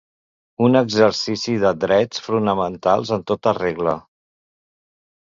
Un exercici de drets fonamentals en tota regla.